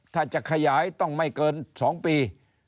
ถ้าจะขยายต้องไม่เกิน๒ปี